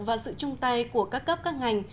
và sự chung tay của các cấp các ngành